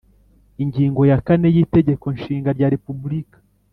ingingo yakane y Itegeko Nshinga rya Repubulika